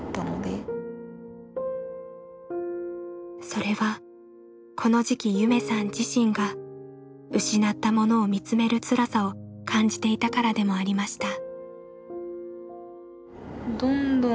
それはこの時期夢さん自身が失ったものを見つめるつらさを感じていたからでもありました。